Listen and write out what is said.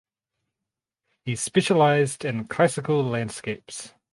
He specialized in Classical landscapes.